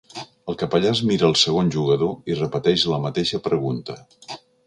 El capellà es mira el segon jugador i repeteix la mateixa pregunta.